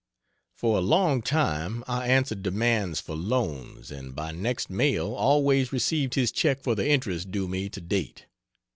For a long time I answered demands for "loans" and by next mail always received his check for the interest due me to date.